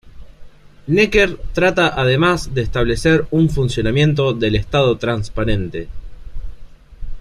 Necker trata además de establecer un funcionamiento del Estado transparente.